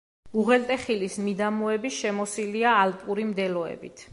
უღელტეხილის მიდამოები შემოსილია ალპური მდელოებით.